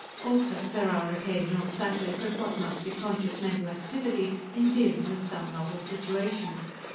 Also, there are occasional flashes of what must be conscious mental activity, in dealing with some novel situation.